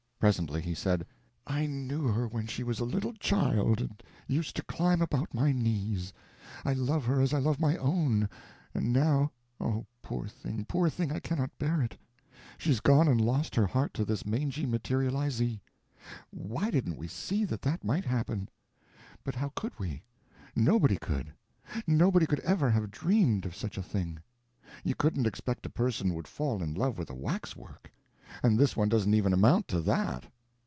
Presently he said: "I knew her when she was a little child and used to climb about my knees; I love her as I love my own, and now—oh, poor thing, poor thing, I cannot bear it!—she's gone and lost her heart to this mangy materializee! Why didn't we see that that might happen? But how could we? Nobody could; nobody could ever have dreamed of such a thing. You couldn't expect a person would fall in love with a wax work. And this one doesn't even amount to that."